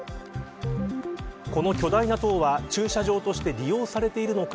この巨大な塔は駐車場として利用されているのか